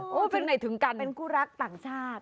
โอ้โหเป็นไหนถึงกันเป็นคู่รักต่างชาติ